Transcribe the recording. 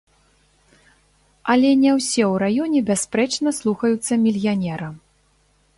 Але не ўсе ў раёне бясспрэчна слухаюцца мільянера.